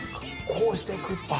こうしていくっていう。